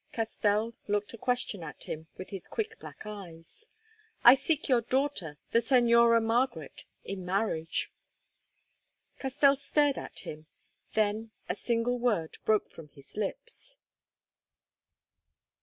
Castell looked a question at him with his quick black eyes. "I seek your daughter, the Señora Margaret, in marriage." Castell stared at him, then a single word broke from his lips.